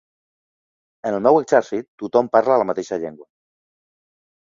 En el meu exèrcit tothom parla la mateixa llengua.